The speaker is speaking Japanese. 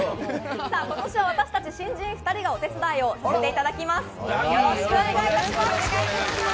さあ今年は私たち新人２人がお手伝いさせていただきます。